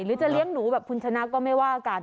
หรือจะเลี้ยงหนูแบบคุณชนะก็ไม่ว่ากัน